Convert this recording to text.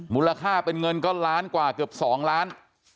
มูลค่าเป็นเงินก็ล้านกว่าเกือบ๒ล้าน